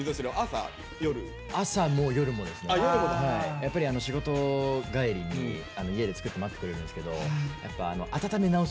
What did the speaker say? やっぱり仕事帰りに家で作って待っててくれるんですけど分かる！